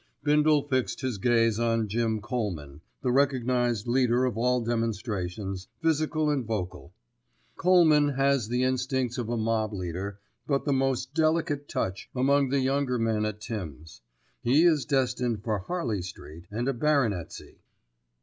Bindle fixed his gaze on Jim Colman, the recognised leader of all demonstrations, physical and vocal. Colman has the instincts of a mob leader, but the most delicate "touch" among the younger men at Tims. He is destined for Harley Street and a baronetcy.